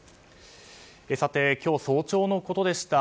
さて、今日早朝のことでした。